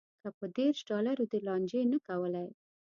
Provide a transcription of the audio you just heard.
که په دېرش ډالرو دې لانجې نه کولی.